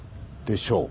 でしょう。